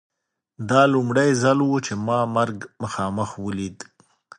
دا لومړی ځل و چې ما مرګ مخامخ ولید